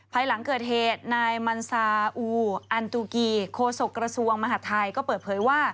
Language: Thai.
ภายหลังเกิดเหตุนายมันซาอูอันตุกีโคศกระทรวงมหาดไทยก็เปิดเผยว่า